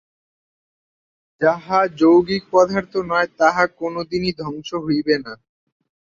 যাহা যৌগিক পদার্থ নয়, তাহা কোন দিনই ধ্বংস হইবে না।